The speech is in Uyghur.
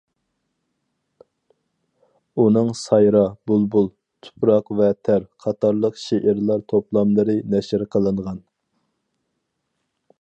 ئۇنىڭ‹‹ سايرا، بۇلبۇل››،‹‹ تۇپراق ۋە تەر›› قاتارلىق شېئىرلار توپلاملىرى نەشر قىلىنغان.